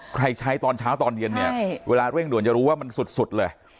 ใช้ตอนเช้าตอนเย็นเนี่ยเวลาเร่งด่วนจะรู้ว่ามันสุดเลย